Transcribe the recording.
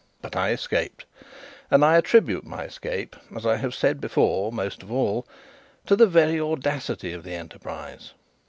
But I escaped, and I attribute my escape, as I have said before, most of all, to the very audacity of the enterprise.